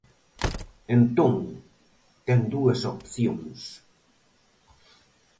Entón, ten dúas opcións.